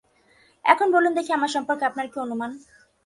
এখন বলুন দেখি আমার সম্পর্কে আপনার কী অনুমান?